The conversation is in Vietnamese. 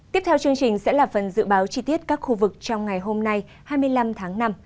tiếp theo chương trình sẽ là phần dự báo chi tiết các khu vực trong ngày hôm nay hai mươi năm tháng năm